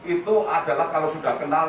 itu adalah kalau sudah kenal